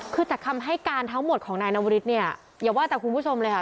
คือจากคำให้การทั้งหมดของนายนวริสเนี่ยอย่าว่าแต่คุณผู้ชมเลยค่ะ